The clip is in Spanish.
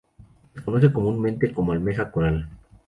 Se le conoce comúnmente como almeja coral.